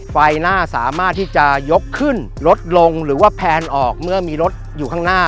ไฟหน้าสามารถที่จะยกขึ้นรถลงหรือว่าแพนออกเมื่อมีรถอยู่ข้างหน้า